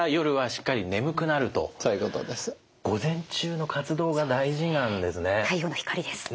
午前中の活動が大事なんですね。